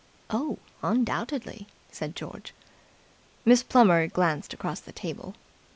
"Oh, undoubtedly," said George. Miss Plummer glanced across the table.